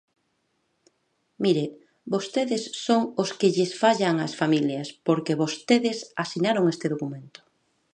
Mire, vostedes son os que lles fallan ás familias, porque vostedes asinaron este documento.